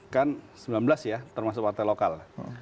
kan sembilan belas ya termasuk partai lokal